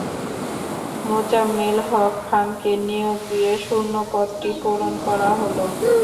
মোজাম্মেল হক খানকে নিয়োগ দিয়ে শূন্য পদটি পূরণ করা হলো।